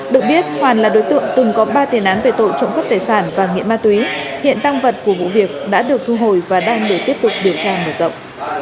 được biết hoàn là đối tượng từng có ba tiền án về tội trộm cắp tài sản và nghiện ma túy hiện tăng vật của vụ việc đã được thu hồi và đang được tiếp tục điều tra mở rộng